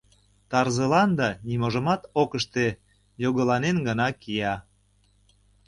Тарзылан да, ниможымат ок ыште, йогыланен гына кия.